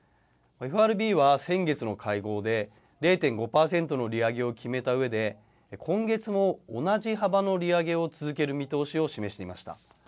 ＦＲＢは先月の会合で、０．５％の利上げを決めたうえで、今月も同じ幅の利上げを続ける見通しを示していました。